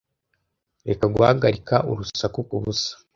Reka guhagarika urusaku kubusa.